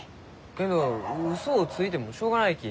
けど嘘をついてもしょうがないき。